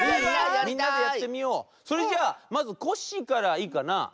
それじゃあまずコッシーからいいかな？